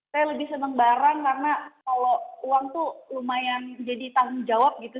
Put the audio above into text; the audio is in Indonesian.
saya lebih senang barang karena kalau uang tuh lumayan jadi tanggung jawab gitu